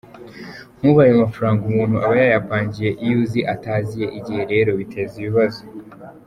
Nk’ubu ayo mafaranga umuntu aba yayapangiye iyo ataziye igihe rero biteza ibibazo.